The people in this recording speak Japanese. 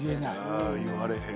あ言われへん。